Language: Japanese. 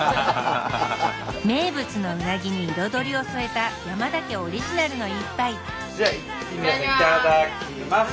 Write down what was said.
名物のうなぎに彩りを添えた山田家オリジナルの一杯じゃあいただきます。